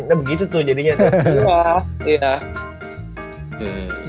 udah begitu tuh jadinya tuh